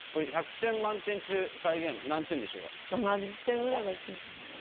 １００点満点中再現何点でしょうか？ぐらいは行って。